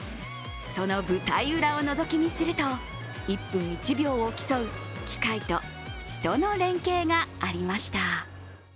その舞台裏をのぞき見すると１分１秒を競う機械と人の連携がありました。